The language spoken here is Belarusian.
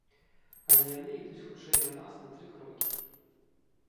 Але яны ідуць хутчэй за нас на тры крокі.